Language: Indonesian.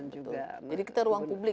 jadi kita ruang publik